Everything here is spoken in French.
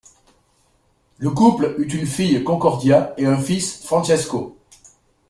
Le couple eut une fille, Concordia, et un fils, Francesco.